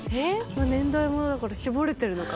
年代もだから、絞れてるのか。